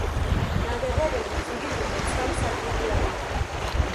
ნაგებობები ძირითადად სამსართულიანია.